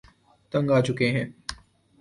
تنگ آچکے ہیں